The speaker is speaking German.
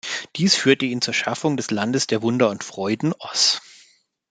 Dies führte ihn zur Schaffung des Landes der Wunder und Freuden "Oz".